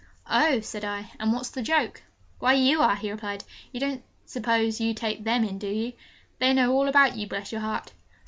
'Oh!' said I, 'and what's the joke?' 'Why, you are!' he replied. 'You don't suppose you take them in, do you? They know all about you, bless your heart!'